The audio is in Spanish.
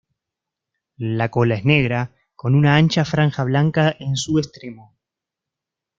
La cola es negra, con una ancha franja blanca en su extremo.